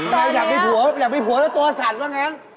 ถ้าอยากมีผัวต้องตัวสั่นว่าไง